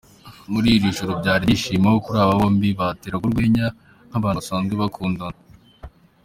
Muri iri joro byari ibyishimo kuri aba bombi, bateraga urwenya nk’abantu basanzwe bakundana.